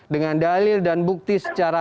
dengan dalil dan bukti